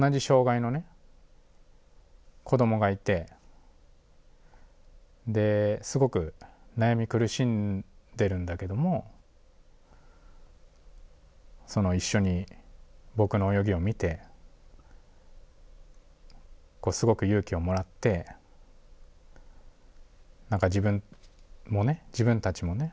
その中にですごく悩み苦しんでるんだけどもその一緒に僕の泳ぎを見てこうすごく勇気をもらって何か自分もね自分たちもね